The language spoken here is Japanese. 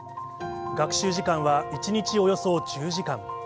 学習時間は１日およそ１０時間。